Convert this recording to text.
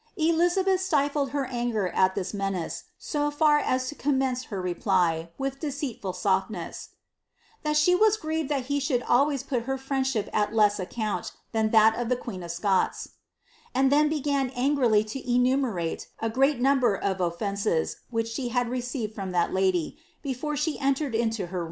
Elizabeth stifled her anger at this menace, so far as to commence her reply, with deceitful soflnese, ^^that she was grieved that he should always put her friendship at less account than that of the queen of Scots ;" and then began angrily to enumerate a great number of ofienccs which she had received from that lady, before she entered into her 'Drpfchet de la Motbe Tenelon, vol. iv., p. 85. ^\\a.0i ^1^.^V. XW BLtlABBTB.